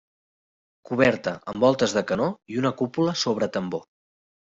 Coberta amb voltes de canó i una cúpula sobre tambor.